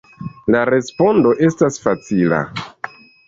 La respondo estas facila.